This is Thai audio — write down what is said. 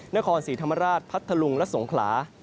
นครศรีธรรมราชพัทธลุงและสงขลา